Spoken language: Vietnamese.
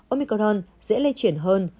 omicron dễ lây chuyển hơn